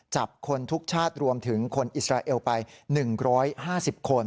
จับคนทุกชาติรวมถึงคนอิสราเอลไป๑๕๐คน